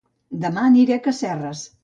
Dema aniré a Casserres